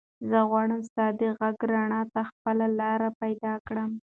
زه غواړم ستا د غږ رڼا ته خپله لاره پیدا کړم.